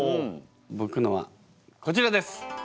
ぼくのはこちらです！